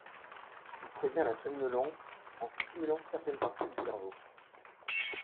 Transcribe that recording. Il prévient la somnolence en stimulant certaines parties du cerveau.